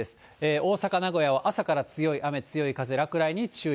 大阪、名古屋は朝から強い雨、強い風、落雷に注意。